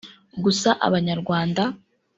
gusa abanyarwanda